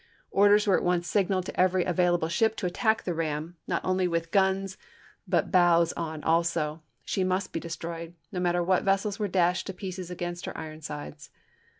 Orders were at once signaled to every avail able ship to attack the ram, not only with guns but bows on also; she must be destroyed, no matter what vessels were dashed to pieces against her iron sides.